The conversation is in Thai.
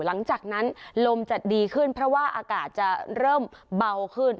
หลังจากนั้นลมจะดีขึ้นเพราะว่าอากาศจะเริ่มเบาขึ้น